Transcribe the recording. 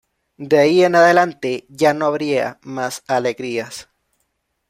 De ahí en adelante ya no habría más alegrías.